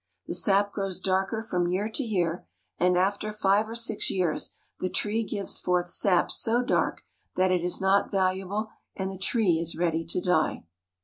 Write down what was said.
The sap grows darker from year to year, and after five or six years the tree gives forth sap so dark that it is not valuable, and the tree is ready to die.